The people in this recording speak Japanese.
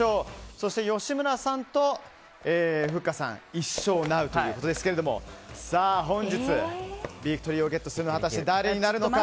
そして吉村さんとふっかさんが１勝ということですが本日ビクトリーをゲットするのは誰になるのか。